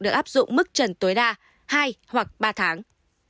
được áp dụng mức trần tối đa hai hoặc ba tháng